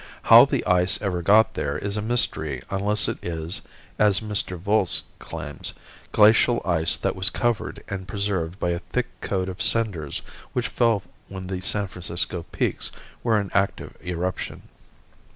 How the ice ever got there is a mystery unless it is, as Mr. Volz claims, glacial ice that was covered and preserved by a thick coat of cinders which fell when the San Francisco Peaks were in active eruption.